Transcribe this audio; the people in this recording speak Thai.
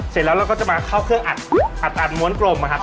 เสร็จแล้วเราก็จะมาเข้าเครื่องอัดอัดอัดม้วนกลม